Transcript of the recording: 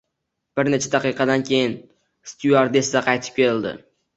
Bir necha daqiqadan keyin styuardessa qaytib keldi